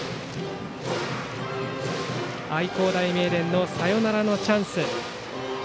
愛工大名電のサヨナラのチャンス。